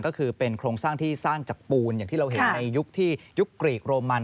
ก็คือเป็นโครงสร้างที่สร้างจากปูนอย่างที่เราเห็นในยุคที่ยุคกรีกโรมัน